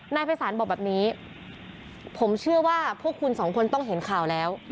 นายภัยศาลบอกแบบนี้ผมเชื่อว่าพวกคุณสองคนต้องเห็นข่าวแล้ว